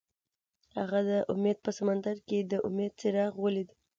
هغه د امید په سمندر کې د امید څراغ ولید.